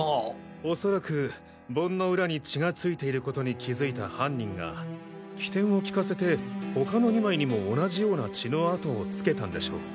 おそらく盆のウラに血が付いてることに気づいた犯人が機転をきかせて他の２枚にも同じような血の跡を付けたんでしょう。